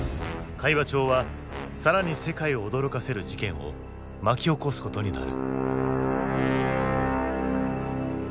会話帳は更に世界を驚かせる事件を巻き起こすことになる。